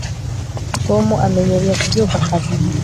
tom amenyereye kubyuka kare